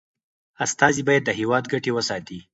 استازي باید د هیواد ګټي وساتي.